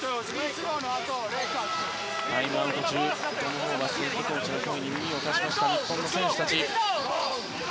タイムアウト中、トム・ホーバスヘッドコーチの声に耳を貸しました日本の選手たち。